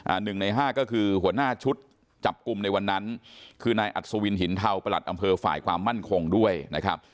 หนึ่งในห้าก็คือหัวหน้าชุดจับกลุ่มในวันนั้นคือนายอัศวินหินเทาประหลัดอำเภอฝ่ายความมั่นคงด้วยนะครับ